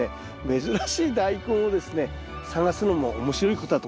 珍しいダイコンをですね探すのも面白いことだと思いますよ。